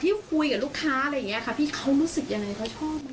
พี่เขานู้สึกอย่างไรเขาชอบไหม